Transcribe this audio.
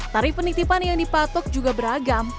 tarif penitipan yang dipatok juga beragam